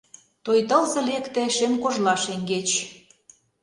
Той тылзе лекте шем кожла шеҥгеч.